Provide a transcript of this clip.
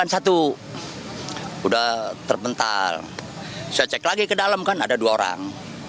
saya cek lagi ke dalam kan ada dua orang